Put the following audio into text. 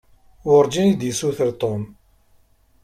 Werǧin iyi-d-issuter Tom.